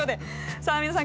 さあ皆さん